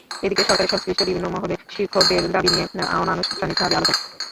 এদিকে সরকারের সংশ্লিষ্ট বিভিন্ন মহলে শিক্ষকদের দাবি নিয়ে অনানুষ্ঠানিকভাবে আলোচনা শুরু হয়েছে।